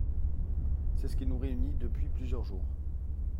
C’est ce qui nous réunit depuis plusieurs jours.